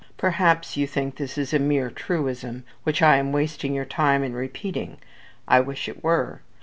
Perhaps you think this is a mere truism, which I am wasting your time in repeating. I wish it were.